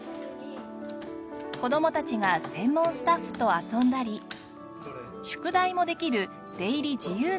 子どもたちが専門スタッフと遊んだり宿題もできる出入り自由なスペースです。